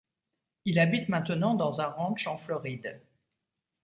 Il habite maintenant dans un ranch en Floride.